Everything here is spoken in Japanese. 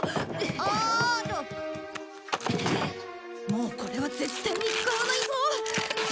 もうこれは絶対に使わないぞ！